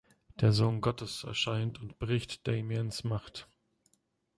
Der Sohn Gottes erscheint und bricht Damiens Macht.